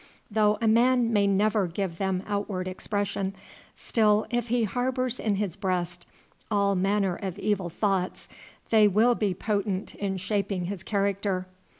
Though a man may never give them outward expression, still, if he harbors in his breast all manner of evil thoughts, they will be potent in shaping his character.